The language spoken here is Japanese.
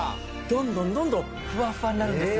どんどんどんどんフワフワになるんですよ。